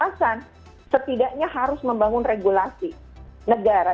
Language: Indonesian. alasan setidaknya harus membangun regulasi negara